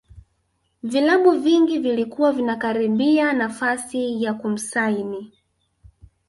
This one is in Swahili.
vilabu vingi vilikuwa vinakaribia nafasi ya kumsaini